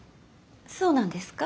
そうなんですか？